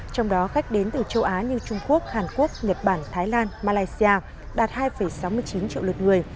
trong đó khách đến từ châu á như trung quốc hàn quốc nhật bản thái lan malaysia đạt hai sáu mươi chín triệu lượt người